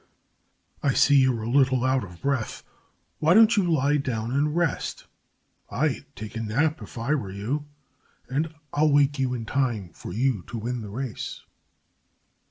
I see you're a little out of breath. Why don't you lie down and rest? I'd take a nap, if I were you. And I'll wake you in time for you to win the race."